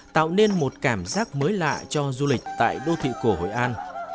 tạo nên một cảm giác mới lạ cho du lịch tại đô thị cổ hội an